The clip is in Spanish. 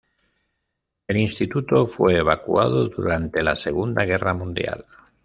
El instituto fue evacuado durante la segunda guerra mundial.